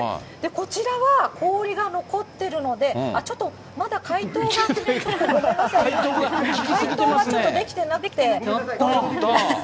こちらは、氷が残っているので、ちょっと、まだ解凍ができてなくて、解凍がちょっとできてなくて。